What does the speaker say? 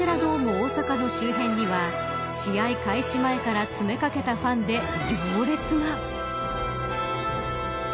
大阪の周辺には試合開始前から詰め掛けたファンで行列が。